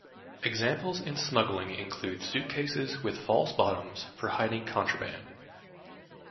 Examples in smuggling include suitcases with false bottoms for hiding contraband.